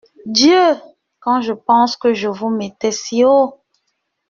Dieu ! quand je pense que je vous mettais si haut !…